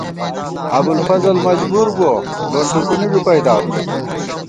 ابُوالفضل مجبُور بُوَہ ، لون ٹُکُونی ݫُپَئ دارُس